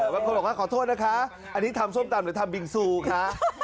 บางคนบอกว่าขอโทษนะคะอันนี้ทำส้มตำหรือทำบิงซูคะ